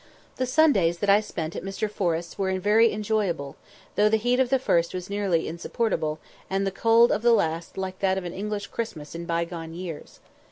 The Sundays that I spent at Mr. Forrest's were very enjoyable, though the heat of the first was nearly insupportable, and the cold of the last like that of an English Christmas in bygone years.